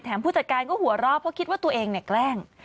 ผู้จัดการก็หัวเราะเพราะคิดว่าตัวเองเนี่ยแกล้ง